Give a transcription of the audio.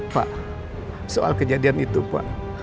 pak soal kejadian itu pak